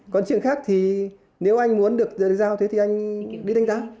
còn chuyện khác thì nếu anh muốn được giao thế thì anh đi đánh giá